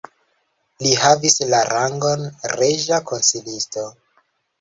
Li havis la rangon reĝa konsilisto.